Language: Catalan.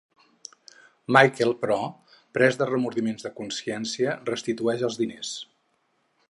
Michael, però, pres de remordiments de consciència, restitueix els diners.